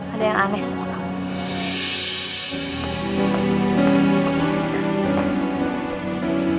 ada yang aneh sama kamu